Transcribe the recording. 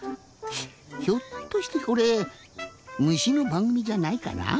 ひょっとしてこれむしのばんぐみじゃないから？